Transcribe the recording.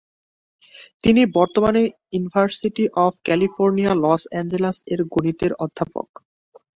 তিনি বর্তমানে university of California, Los Angeles এর গণিতের অধ্যাপক।